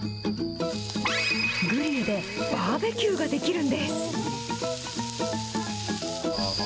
グリルでバーベキューができるんです。